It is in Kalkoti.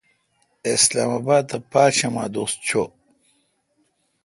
اسلام اباد تھ پاشیمہ دوس چوں ۔